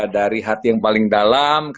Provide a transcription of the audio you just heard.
dari hati yang paling dalam